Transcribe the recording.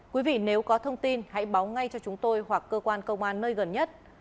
quý vị nếu có thông tin hãy báo ngay cho chúng tôi hoặc cơ quan công an nơi gần nhất